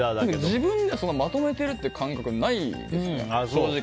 自分では、まとめてるっていう感覚はないですね、正直。